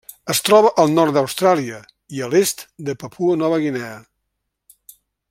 Es troba al nord d'Austràlia i a l'est de Papua Nova Guinea.